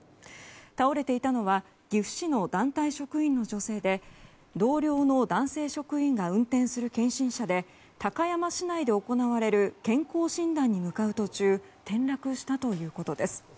倒れていたのは岐阜市の団体職員の女性で同僚の男性職員が運転する検診車で高山市内で行われる健康診断に向かう途中転落したということです。